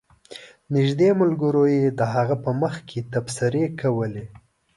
نږدې ملګرو یې د هغه په مخ کې تبصرې کولې.